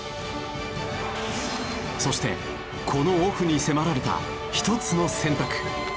そしてこのオフに迫られた一つの選択。